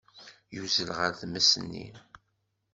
Yuzzel ɣer tmes-nni.